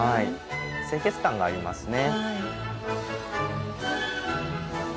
清潔感がありますね。